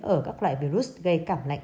ở các loại virus gây cảm lạnh